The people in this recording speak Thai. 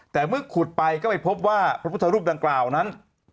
แต่เมื่อขุดไปก็ไปพบว่าพระพุทธรูปดังกล่าวนั้น